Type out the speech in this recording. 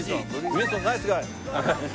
ブリンソンナイスガイ！